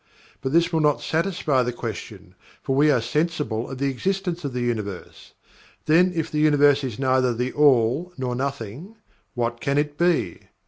But this will not satisfy the question, for we are sensible of the existence of the Universe. Then if the Universe is neither THE ALL, nor Nothing, what Can it be?